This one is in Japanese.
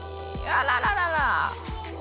あらららら！